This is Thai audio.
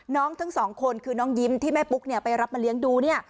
น้องทั้ง๒คนคืน้องยิมที่แม่ปุ๊กไปรับมาเลี้ยงดู